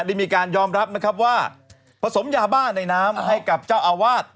ได้มีการยอมรับนะครับว่าผสมยาบ้าในน้ำให้กับเจ้าอาวาส